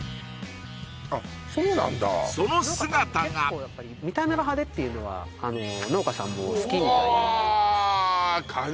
結構やっぱり見た目が派手っていうのは農家さんも好きみたいでうわっ！